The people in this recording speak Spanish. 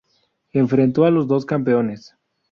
Enfrentó a los dos campeones.